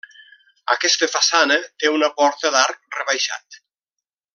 Aquesta façana té una porta d'arc rebaixat.